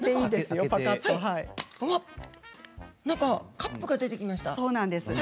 カップが出てきました。